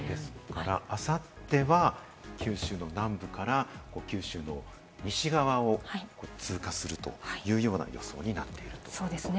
あさっては九州の南部から九州の西側を通過するというような予想になっているということですね。